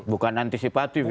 bukan antisipatif ya